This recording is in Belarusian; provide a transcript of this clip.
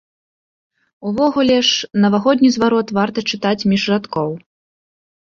Увогуле ж навагодні зварот варта чытаць між радкоў.